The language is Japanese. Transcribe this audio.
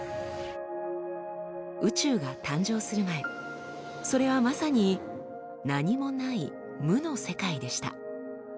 宇宙が誕生する前それはまさに何もない無の世界でした。